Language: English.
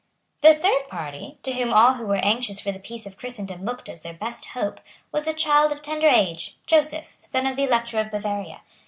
The third party, to whom all who were anxious for the peace of Christendom looked as their best hope, was a child of tender age, Joseph, son of the Elector of Bavaria.